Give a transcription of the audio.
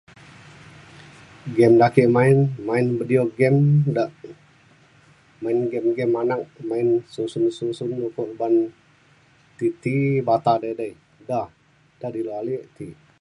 Game ake main main video game da main game game anak main susun susun uban ti ti bata. [unintelligible]